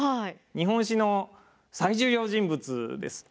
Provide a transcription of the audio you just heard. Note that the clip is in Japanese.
日本史の最重要人物です。